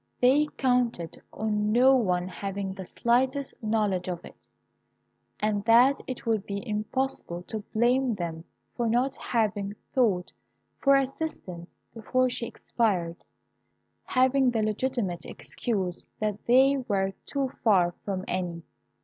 They counted on no one having the slightest knowledge of it, and that it would be impossible to blame them for not having sought for assistance before she expired, having the legitimate excuse that they were too far away from any.